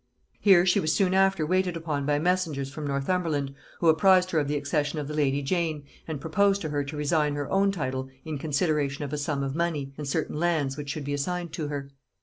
Here she was soon after waited upon by messengers from Northumberland, who apprized her of the accession of the lady Jane, and proposed to her to resign her own title in consideration of a sum of money, and certain lands which should be assigned her.